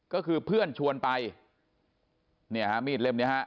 ก็คือเพื่อนชวนไปเนี่ยฮะมีดเล่มเนี้ยฮะ